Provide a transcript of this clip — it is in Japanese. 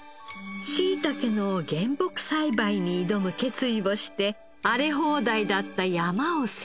しいたけの原木栽培に挑む決意をして荒れ放題だった山を整備。